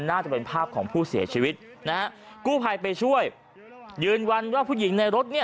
น่าจะเป็นภาพของผู้เสียชีวิตนะฮะกู้ภัยไปช่วยยืนยันว่าผู้หญิงในรถเนี่ย